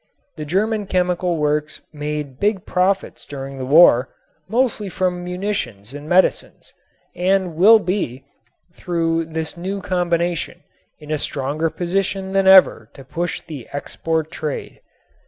The German chemical works made big profits during the war, mostly from munitions and medicines, and will be, through this new combination, in a stronger position than ever to push the export trade.